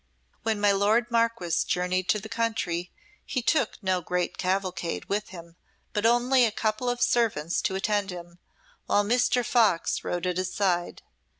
When my lord Marquess journeyed to the country he took no great cavalcade with him, but only a couple of servants to attend him, while Mr. Fox rode at his side.